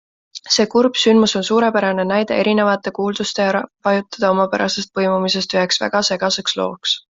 See kurb sündmus on suurepärane näide erinevate kuulduste ja rahvajuttude omapärasest põimumisest üheks väga segaseks looks.